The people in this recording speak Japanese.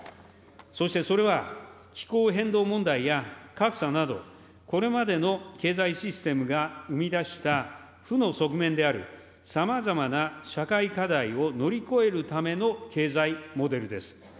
そしてそれは、気候変動問題や格差など、これまでの経済システムが生み出した負の側面である、さまざまな社会課題を乗り越えるための経済モデルです。